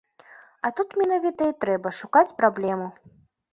А тут менавіта і трэба шукаць праблему.